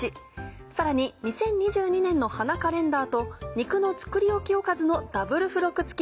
さらに２０２２年の花カレンダーと肉の作りおきおかずのダブル付録付き。